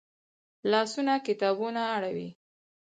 لاسونه کتابونه اړوي